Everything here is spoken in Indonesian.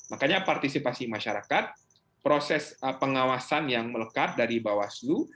makanya partisipasi masyarakat proses pengawasan yang melekat dari bawaslu